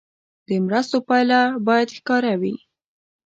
د مرستو پایله باید ښکاره وي.